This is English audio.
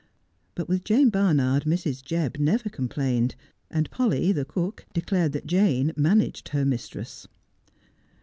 But with Jane Barnard Mrs. Jebb never complained, and Polly, the cook, declared that Jane managed her mistress.